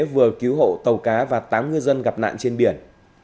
vừa cứu hộ tàu cá và tám ngư dân gặp nạn trên biển